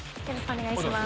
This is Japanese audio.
お願いします。